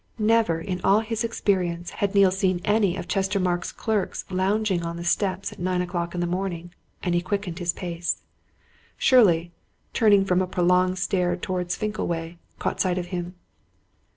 Never, in all his experience, had Neale seen any of Chestermarke's clerks lounging on the steps at nine o'clock in the morning, and he quickened his pace. Shirley, turning from a prolonged stare towards Finkleway, caught sight of him.